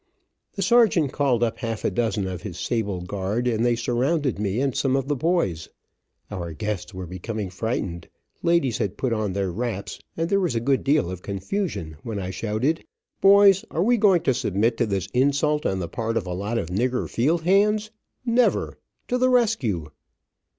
The sergeant called up half a dozen of his sable guard, and they surrounded me and some of the boys. Our guests were becoming frightened, ladies had put on their wraps, and there was a good deal of confusion, when I shouted, "Boys, are we going to submit to this insult on the part of a lot of nigger field hands? Never! To the rescue!"